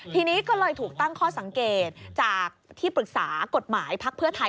ทีนี้ก็เลยถูกตั้งข้อสังเกตจากที่ปรึกษากฎหมายพักเพื่อไทย